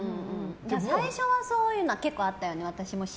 最初はそういうのは結構あったよね。